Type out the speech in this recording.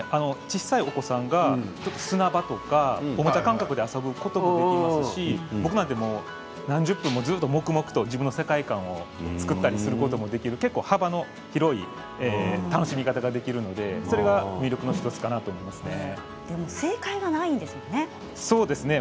小さいお子さんが砂場とかおもちゃ感覚で遊ぶこともありますし僕なんかは何十分も黙々と自分の世界を作ることができる幅広い楽しみ方ができるのが魅力正解がないですよね。